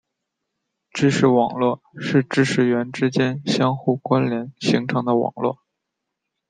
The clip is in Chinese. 知识网络是知识元之间相互关联形成的网络。